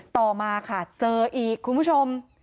ต่อมาค่ะเจออีกคุณผู้ชม